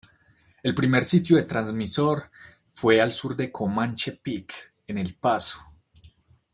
El primer sitio de transmisor fue al sur de Comanche Peak en El Paso.